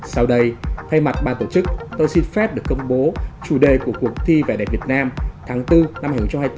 sau đây thay mặt ban tổ chức tôi xin phép được công bố chủ đề của cuộc thi vẻ đẹp việt nam tháng bốn năm hai nghìn hai mươi bốn